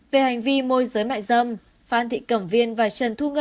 về hành vi môi giới mại dâm phan thị cẩm viên và trần thu ngân